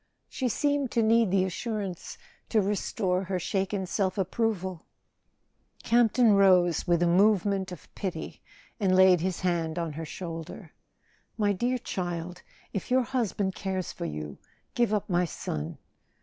She seemed to need the assurance to restore her shaken self approval. [ 342 ] A SON AT THE FRONT Campton rose with a movement of pity and laid his hand on her shoulder. " My dear child, if your hus¬ band cares for you, give up my son."